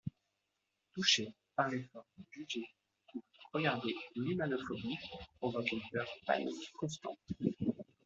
Toucher, parler fort, juger ou regarder l'humanophobie provoque une peur panique constante.